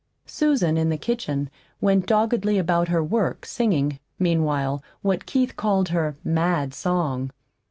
Susan, in the kitchen, went doggedly about her work, singing, meanwhile, what Keith called her "mad" song.